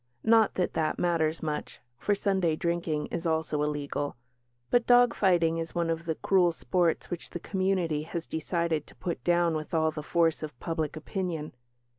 Not that that matters much, for Sunday drinking is also illegal. But dog fighting is one of the cruel sports which the community has decided to put down with all the force of public opinion.